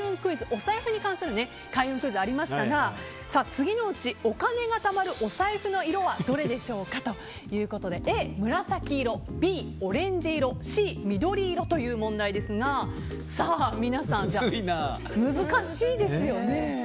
お財布に関する開運クイズがありましたが次のうちお金がたまるお財布の色はどれでしょうかということでＡ、紫色、Ｂオレンジ色Ｃ、緑色という問題ですが難しいですよね。